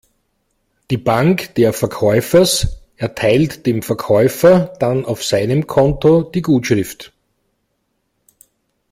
Die Bank der Verkäufers erteilt dem Verkäufer dann auf seinem Konto die Gutschrift.